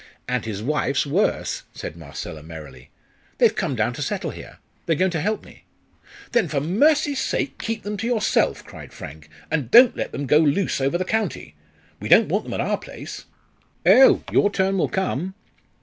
"And his wife's worse," said Marcella, merrily. "They've come down to settle here. They're going to help me." "Then for mercy's sake keep them to yourself," cried Frank, "and don't let them go loose over the county. We don't want them at our place." "Oh! your turn will come.